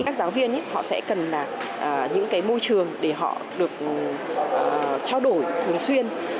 các giáo viên họ sẽ cần những môi trường để họ được trao đổi thường xuyên